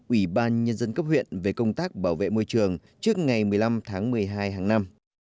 ủy ban nhân dân cấp huyện về công tác bảo vệ môi trường trước ngày một mươi năm tháng một mươi hai hàng năm